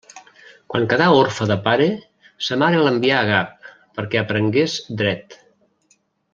Quan quedà orfe de pare, sa mare l'envià a Gap, perquè aprengués dret.